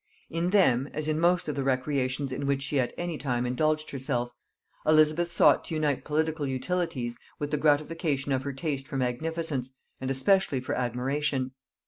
In them, as in most of the recreations in which she at any time indulged herself, Elizabeth sought to unite political utilities with the gratification of her taste for magnificence, and especially for admiration.